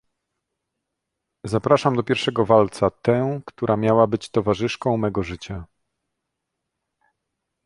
"Zapraszam do pierwszego walca tę, która miała być towarzyszką mego życia."